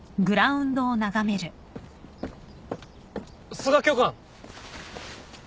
須賀教官！